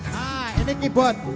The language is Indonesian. nah ini keyboard